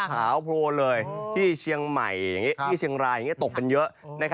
ขาวโพลนเลยที่เชียงใหม่อย่างนี้ที่เชียงรายอย่างนี้ตกกันเยอะ